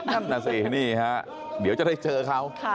นั่นน่ะสินี่ฮะเดี๋ยวจะได้เจอเขา